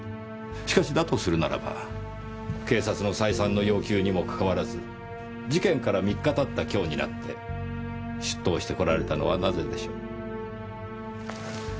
しかしだとするならば警察の再三の要求にも関わらず事件から３日経った今日になって出頭してこられたのはなぜでしょう？